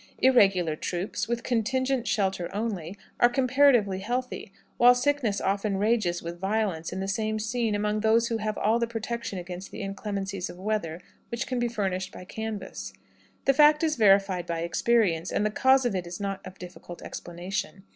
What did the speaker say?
Irregular troops, with contingent shelter only, are comparatively healthy, while sickness often rages with violence in the same scene, among those who have all the protection against the inclemencies of weather which can be furnished by canvas. The fact is verified by experience, and the cause of it is not of difficult explanation.